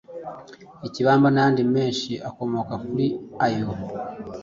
ikibamba n’ayandi menshi akomoka kuri ayo.